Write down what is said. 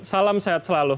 salam sehat selalu